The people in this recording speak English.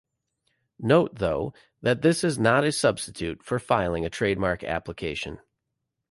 Note, though, that this is not a substitute for filing a trademark application.